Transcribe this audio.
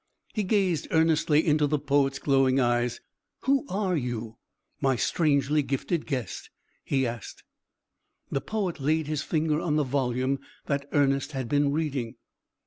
He gazed earnestly into the poet's glowing eyes. "Who are you, my strangely gifted guest?" he said. The poet laid his finger on the volume that Ernest had been reading.